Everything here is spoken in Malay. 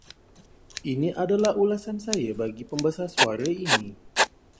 Ini adalah ulasan saya bagi pembesar suara ini.